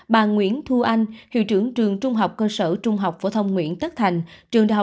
bà nguyễn thu anh hiệu trưởng trường trung học cơ sở trung học phổ thông nguyễn tất thành